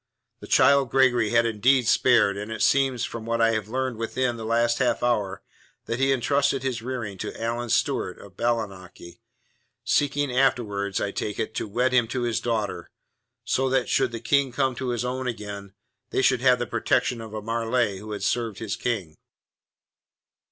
The child Gregory had indeed spared, and it seems from what I have learned within the last half hour that he had entrusted his rearing to Alan Stewart, of Bailienochy, seeking afterwards I take it to wed him to his daughter, so that should the King come to his own again, they should have the protection of a Marleigh who had served his King."